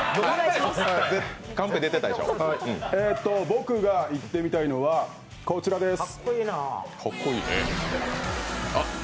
僕が行ってみたいのは、こちらです。